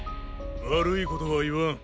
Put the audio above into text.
悪いことは言わん。